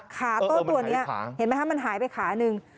ขาต้นตัวนี้เห็นไหมคะมันหายไปขาหนึ่ง